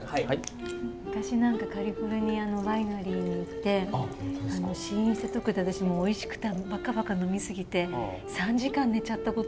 昔何かカリフォルニアのワイナリーに行って試飲したとこで私もうおいしくてバカバカ呑み過ぎて３時間寝ちゃったことがある。